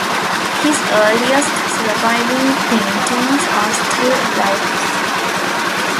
His earliest surviving paintings are still lifes.